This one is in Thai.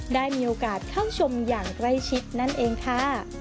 ได้มีโอกาสเข้าชมอย่างใกล้ชิดนั่นเองค่ะ